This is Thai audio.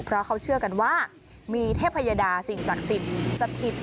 เพราะเขาเชื่อกันว่ามีเทพยดาสิ่งศักดิ์สิทธิ์สถิต